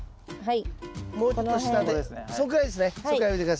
はい。